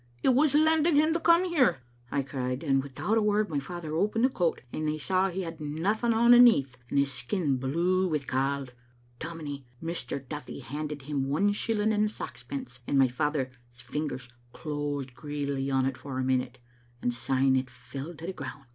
*It was lended him to come here, ' I cried, and without a word my father opened the coat, and they saw he had nothing on aneath, and his skin blue wi 'cauld. Dom inie, Mr. Duthie handed him one shilling and saxpence, and my father's fingers closed greedily on't for a minute, and syne it fell to the ground.